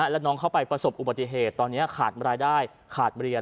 แล้วน้องเข้าไปประสบอุบัติเหตุตอนนี้ขาดรายได้ขาดเรียน